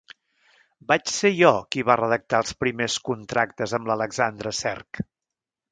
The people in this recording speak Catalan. Vaig ser jo qui va redactar els primers contractes amb l'Alexandre Cerc.